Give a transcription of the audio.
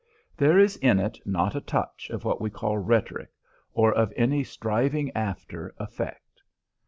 There is in it not a touch of what we call rhetoric, or of any striving after effect.